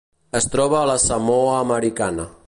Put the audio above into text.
Es troba a la Samoa Americana.